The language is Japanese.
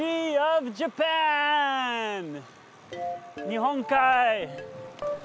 日本海！